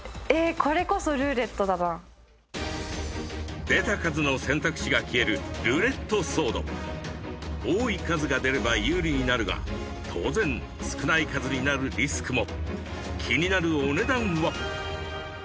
これこそルーレットだな出た数の選択肢が消えるルーレットソード多い数が出れば有利になるが当然少ない数になるリスクも気になるお値段は？